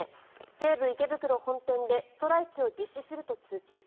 西武池袋本店でストライキを実施すると通知。